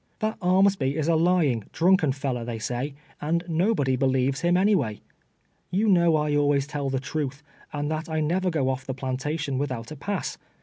That Armsby is a lying, drunken fellow, they say, and iio])ody believes him anyway. You know I always tell the truth, and that I never go olf the i)lantation without a pass.